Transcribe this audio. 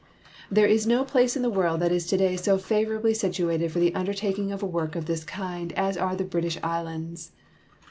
There is no place in the world that is today so favorably situated for the undertaking of a work of this kind as are the British Isl ands.